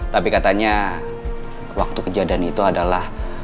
tapi katanya waktu kejadian itu adalah